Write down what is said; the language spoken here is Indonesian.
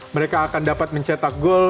mereka akan dapat mencetak gol